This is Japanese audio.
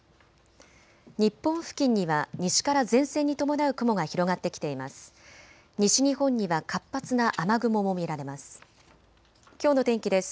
日本付近には西から前線に伴う雲が広がってきています。